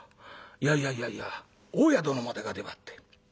いやいやいやいや大家殿までが出張って。